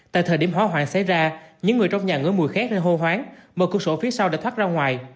tại thời điểm hỏa hoạn xảy ra những người trong nhà người mùi khét lên hô hoáng mở cửa sổ phía sau để thoát ra ngoài